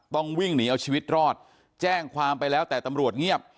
ต้องวิ่งหนีเอาชีวิตรอดแจ้งความไปแล้วแต่ตำรวจเงียบ